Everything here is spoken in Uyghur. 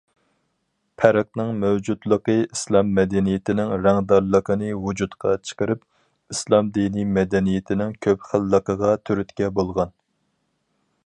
پەرقنىڭ مەۋجۇتلۇقى ئىسلام مەدەنىيىتىنىڭ رەڭدارلىقىنى ۋۇجۇدقا چىقىرىپ، ئىسلام دىنى مەدەنىيىتىنىڭ كۆپ خىللىقىغا تۈرتكە بولغان.